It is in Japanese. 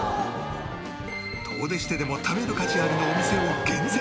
遠出してでも食べる価値ありのお店を厳選！